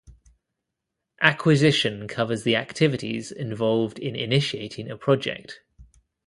Acquisition covers the activities involved in initiating a project.